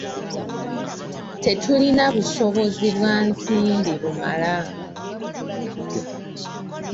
Tetulina busobozi bwa nsimbi bumala.